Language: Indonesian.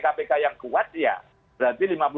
kpk yang kuat ya berarti